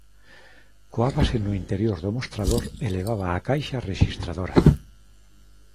Coábase no interior do mostrador e levaba a caixa rexistradora.